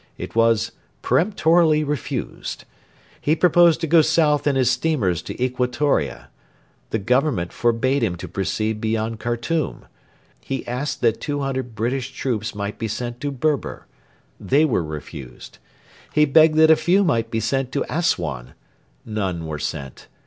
It was 'peremptorily refused.' He proposed to go south in his steamers to Equatoria. The Government forbade him to proceed beyond Khartoum. He asked that 200 British troops might be sent to Berber. They were refused. He begged that a few might be sent to Assuan. None were sent.